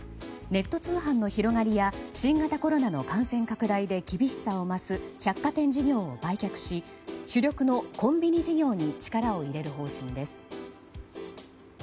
ネット通販の広がりや新型コロナの感染拡大で厳しさを増す百貨店事業を売却し主力のコンビニ事業に力を入れる方針です。